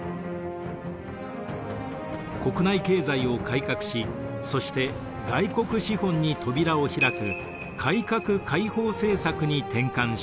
国内経済を改革しそして外国資本に扉を開く改革開放政策に転換します。